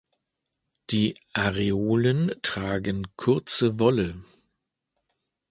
Die Areolen tragen kurze Wolle.